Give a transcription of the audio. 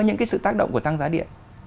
những cái sự tác động của tăng giá điện